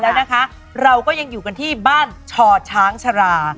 แล้วนะคะเราก็ยังอยู่กันที่บ้านช่อช้างชรา